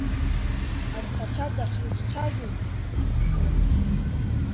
Анхацәа дахьрыҿцәажәозу?